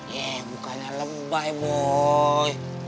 ya bukannya lebay boy